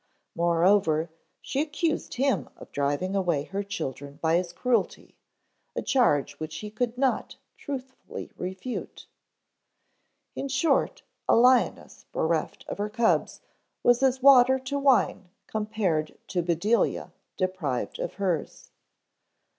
Moreover, she accused him of driving away her children by his cruelty, a charge which he could not truthfully refute. In short, a lioness bereft of her cubs was as water to wine compared to Bedelia deprived of hers.